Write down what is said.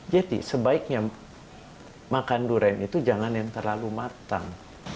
jadi sebaiknya makan duren itu jangan yang terlalu matang